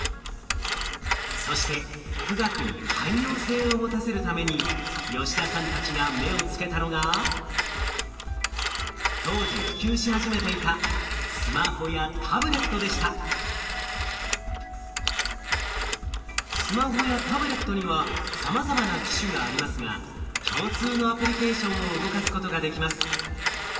そして富岳に汎用性を持たせるために吉田さんたちが目をつけたのが当時普及し始めていたスマホやタブレットにはさまざまな機種がありますが共通のアプリケーションを動かすことができます。